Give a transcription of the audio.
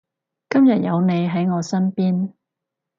今日有你喺我身邊